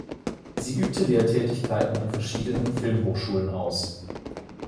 Sie übte Lehrtätigkeiten an verschiedenen Filmhochschulen aus.